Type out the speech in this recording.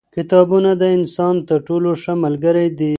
کتابونه د انسان تر ټولو ښه ملګري دي.